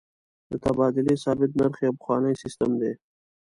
د تبادلې ثابت نرخ یو پخوانی سیستم دی.